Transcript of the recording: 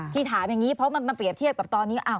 ที่ถามอย่างนี้เพราะมันเปรียบเทียบกับตอนนี้